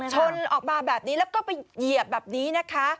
ชนออกมาแบบนี้แล้วก็ไปเหยียบแบบนี้นะคะ